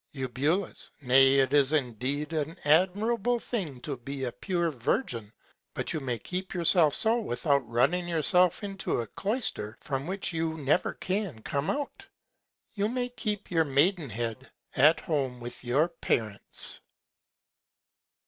Eu. Nay, it is indeed an admirable Thing to be a pure Virgin, but you may keep yourself so without running yourself into a Cloyster, from which you never can come out. You may keep your Maidenhead at Home with your Parents.